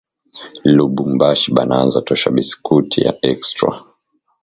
Lubumbashi banaanza tosha bisikuiti ya extra